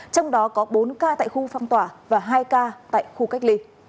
trong đó có bốn ca tại khu phong tỏa và hai ca tại khu cách ly